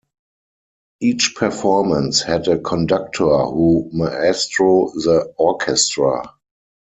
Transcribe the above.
Each performance had a conductor who maestro the orchestra.